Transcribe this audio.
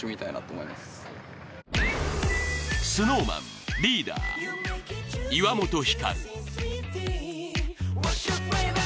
ＳｎｏｗＭａｎリーダー、岩本照。